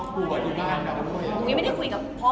ผมยังไม่ได้คุยกับพ่อ